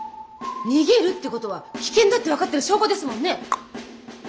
逃げるってことは危険だって分かってる証拠ですもんね！